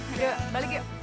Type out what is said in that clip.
aduh balik yuk